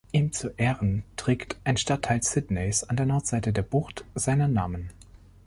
Ihm zu Ehren trägt ein Stadtteil Sydneys an der Nordseite der Bucht seinen Namen.